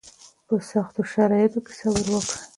په سختو شرایطو کې صبر وکړئ